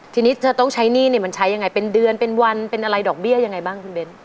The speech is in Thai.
ทีนี้เธอต้องใช้หนี้เนี่ยมันใช้ยังไงเป็นเดือนเป็นวันเป็นอะไรดอกเบี้ยยังไงบ้างคุณเบ้น